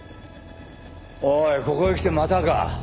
おいここへきてまたか。